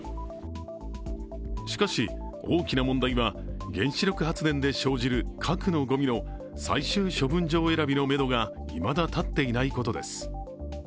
しかし、大きな問題は原子力発電で生じる核のごみの最終処分場選びのめどがいまだ立っていないことです。